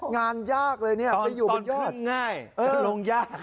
งานยากเลยไปอยู่บนยอดตอนขึ้นง่ายลงยาก